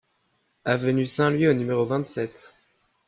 Avenue Saint-Louis au numéro vingt-sept